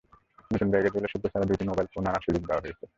নতুন ব্যাগেজ রুলে শুল্ক ছাড়া দুটি মোবাইল ফোন আনার সুযোগ দেওয়া হয়েছে।